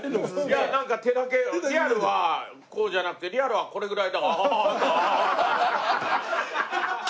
いやなんか手だけリアルはこうじゃなくてリアルはこれぐらいで「あーたあーた」。